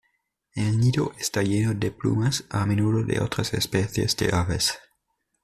El nido está lleno de plumas, a menudo de otras especies de aves.